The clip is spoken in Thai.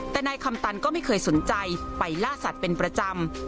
แต่นายคำตันก็ไม่เคยสนใจไปล่าสัตว์เป็นประจำ